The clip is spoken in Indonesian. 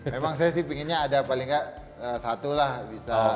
memang saya sih pinginnya ada paling nggak satu lah bisa